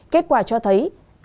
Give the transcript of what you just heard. kết quả cho thấy